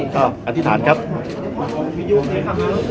สวัสดีทุกคน